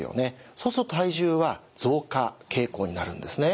そうすると体重は増加傾向になるんですね。